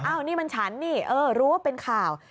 อันนี้มันฉันนี่เออรู้ว่าเป็นข่าว